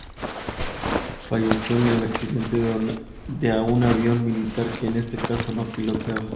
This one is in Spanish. Falleció en el accidente de un avión militar, que en ese caso no pilotaba.